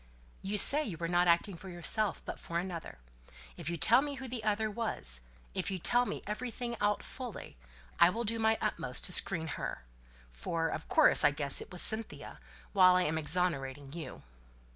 "You say you were not acting for yourself, but for another. If you tell me who the other was, if you tell me everything out fully, I will do my utmost to screen her for of course I guess it was Cynthia while I am exonerating you."